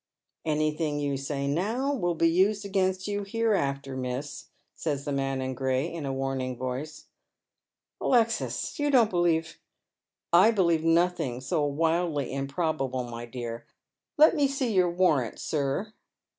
" Anything you say now will be used against you hereafter, miss," says the man in gray, in a warning voice. " Alexis, you don't believe "" I believe nothing so wildly improbable, my dear. Let me Bee your warrant, sir."